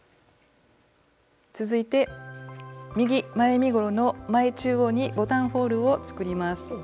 続いて右前身ごろの前中央にボタンホールを作ります。